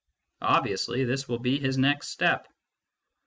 Obviously, this will be his next step.